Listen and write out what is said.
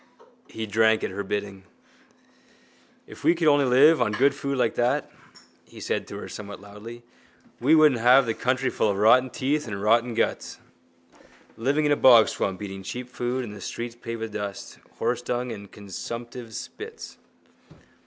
He drank at her bidding. —If we could live on good food like that, he said to her somewhat loudly, we wouldn't have the country full of rotten teeth and rotten guts. Living in a bogswamp, eating cheap food and the streets paved with dust, horsedung and consumptives' spits.